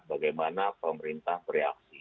bagaimana pemerintah bereaksi